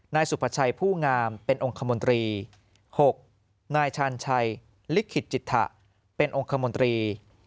นายสุภาชัยผู้งามเป็นองค์คมนตรี๖นายชาญชัยลิขิตจิตถะเป็นองค์คมนตรี